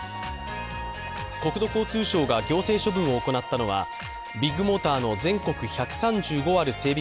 国土交通省が行政処分を行ったのはビッグモーターの全国１３５ある整備